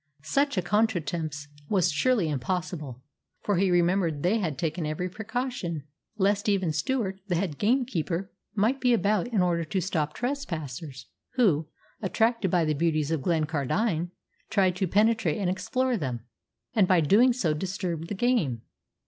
Such a contretemps was surely impossible, for he remembered they had taken every precaution lest even Stewart, the head gamekeeper, might be about in order to stop trespassers, who, attracted by the beauties of Glencardine, tried to penetrate and explore them, and by so doing disturbed the game.